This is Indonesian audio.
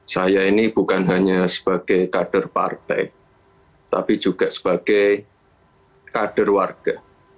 saya ini bukan hanya sebagai kader partai tapi juga sebagai kader warga